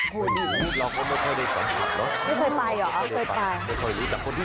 โคดีเราก็ไม่ค่อยได้ก่อนครับเนอะ